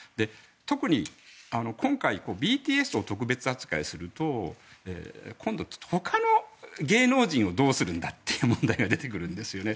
特に今回、ＢＴＳを特別扱いすると今度、ほかの芸能人をどうするんだという問題が出てくるんですよね。